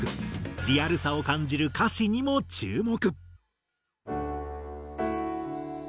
リアルさを感じる歌詞にも注目。